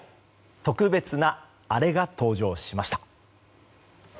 特別なアレが登場しました。